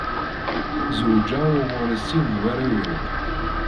Zewǧeɣ u ɣur-i sin n warraw-iw.